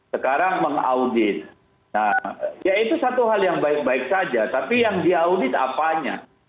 sekarang mengaudit nah ya itu satu hal yang baik baik saja tapi yang diaudit apanya